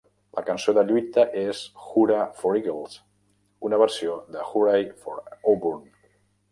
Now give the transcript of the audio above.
La cançó de lluita és "Hoorah for Eagles", una versió de "Hooray for Auburn".